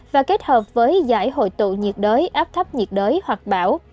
và kết hợp với giải hội tụ nhiệt đới áp thấp nhiệt đới hoặc bão